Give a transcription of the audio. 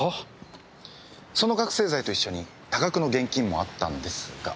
その覚せい剤と一緒に多額の現金もあったんですが。